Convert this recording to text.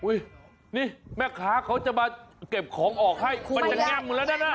อุ้ยนี่แม่ค้าเขาจะมาเก็บของออกให้มันจะง่ำหมดแล้วด้านหน้า